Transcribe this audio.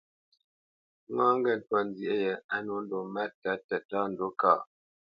Ŋâ ŋgê ntwá nzyê yē á nwô ndo máta tətá ndǔ kâʼ.